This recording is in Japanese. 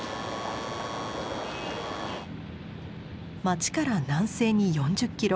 街から南西に４０ｋｍ。